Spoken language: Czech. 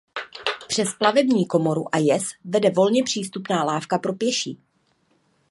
Přes plavební komoru a jez vede volně přístupná lávka pro pěší.